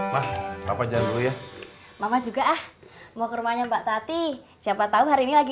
mah apa jangan dulu ya mama juga ah mau ke rumahnya mbak tati siapa tahu hari ini lagi